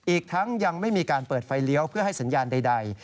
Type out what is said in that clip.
อีกทั้งยังไม่มีการเปิดไฟเลี้ยวเพื่อให้สัญญาณใด